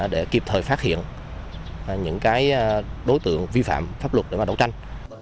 để kịp thời phát hiện những đối tượng vi phạm pháp luật để đấu tranh